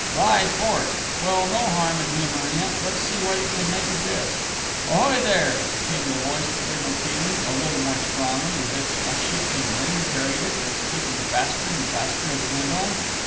Rye Port!... Well, no harm in humouring it; let's see what it can make of this. Ahoy there!" came the voice to Abel Keeling, a little more strongly, as if a shifting wind carried it, and speaking faster and faster as it went on.